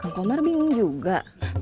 kang komar bingung juga